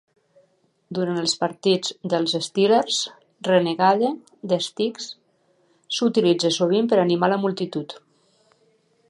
Durant els partits dels Steelers, "Renegade" de Styx s'utilitza sovint per animar la multitud.